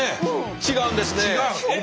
違うんですね。